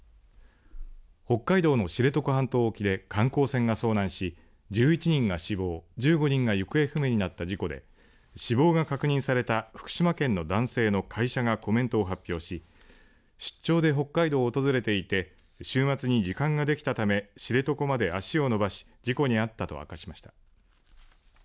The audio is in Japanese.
北海道の知床半島沖で観光船が遭難し１１人が死亡１５人が行方不明になった事故で死亡が確認された福島県の男性の会社がコメントを発表し出張で北海道を訪れていて週末に時間ができたため知床まで足を伸ばし事故に遭ったと明かしました。